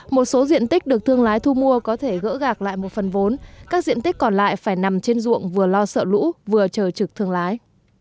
một số diện tích được thương lái thu mua có thể gỡ gạc lại một phần vốn các diện tích còn lại phải nằm trên ruộng vừa lo sợ lũ vừa chờ trực thương lái